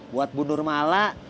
buat bu nur malak